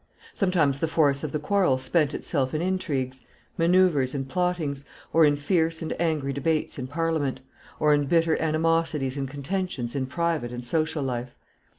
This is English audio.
Sometimes the force of the quarrel spent itself in intrigues, manoeuvres, and plottings, or in fierce and angry debates in Parliament, or in bitter animosities and contentions in private and social life.